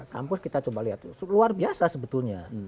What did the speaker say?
kampus kita coba lihat luar biasa sebetulnya